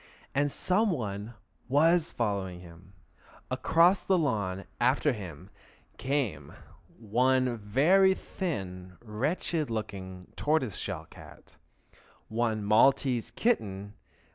And some one was following him! Across the lawn after him came: One very thin and wretched looking tortoise shell cat. One Maltese kitten.